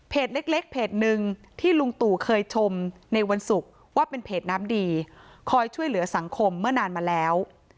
เล็กเล็กเพจหนึ่งที่ลุงตู่เคยชมในวันศุกร์ว่าเป็นเพจน้ำดีคอยช่วยเหลือสังคมเมื่อนานมาแล้ว